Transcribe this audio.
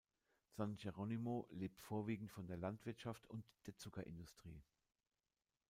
San Jerónimo lebt vorwiegend von der Landwirtschaft und der Zuckerindustrie.